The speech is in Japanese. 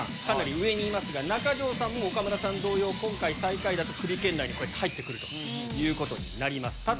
かなり上にいますが中条さんも岡村さん同様今回最下位だとクビ圏内に入って来るということになります。